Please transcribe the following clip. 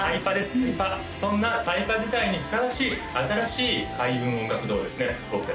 そんなタイパ時代にふさわしい新しい開運音楽堂をですね僕達